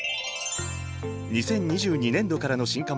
２０２２年度からの新科目